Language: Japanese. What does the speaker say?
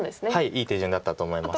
いい手順だったと思います。